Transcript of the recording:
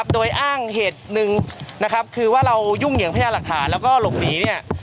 โดยอ้างเหตุหนึ่งนะครับคือว่าเรายุ่งเหยิงพญาหลักฐานแล้วก็หลบหนี